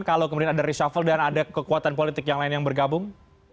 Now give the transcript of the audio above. kalau kemudian ada reshuffle dan ada kekuatan politik yang lain yang bergabung